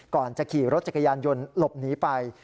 ก่อนจะขี่รถจักรยานยนต์หลบหนีไป